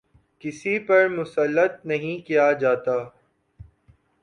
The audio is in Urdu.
کسی پر مسلط نہیں کیا جاتا۔